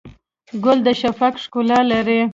ګل د شفق ښکلا لري.